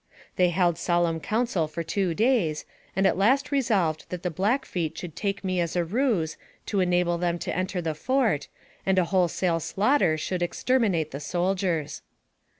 They held solemn council for two days, and at last resolved that the Blackfeet should take me as a ruse, to enable them to enter the fort, and a wholesale slaughter should exterminate the soldiers.